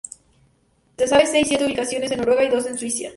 Se sabe seis-siete ubicaciones en Noruega y dos en Suecia.